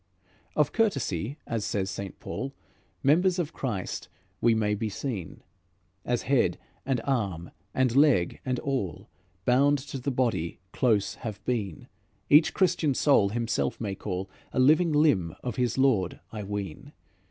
"Of courtesy, as says St. Paul, Members of Christ we may be seen. As head and arm and leg, and all, Bound to the body close have been, Each Christian soul himself may call A living limb of his Lord, I ween.